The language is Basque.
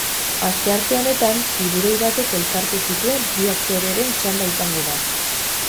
Astearte honetan, tiburoi batek elkartu zituen bi aktoreren txanda izango da.